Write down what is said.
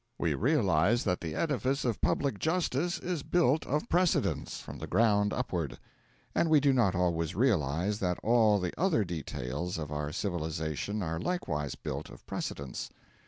We realise that the edifice of public justice is built of precedents, from the ground upward; but we do not always realise that all the other details of our civilisation are likewise built of precedents.